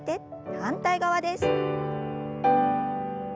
反対側です。